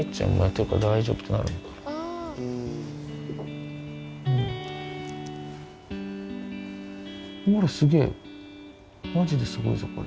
あらすげぇマジですごいぞこれ。